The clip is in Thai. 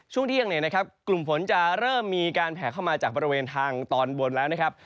ช่วงเที่ยงเนี่ยนะครับกลุ่มฝนจะเริ่มมีการแผ่เข้ามาจากบริเวณทางตอนบนแล้วนะครับ